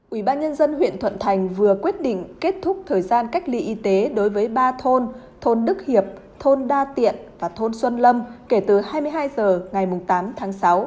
ubnd huyện thuận thành vừa quyết định kết thúc thời gian cách ly y tế đối với ba thôn thôn đức hiệp thôn đa tiện và thôn xuân lâm kể từ hai mươi hai h ngày tám tháng sáu